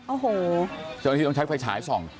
โอ้โหเจ้าหน้าที่ต้องใช้ไฟฉายส่อง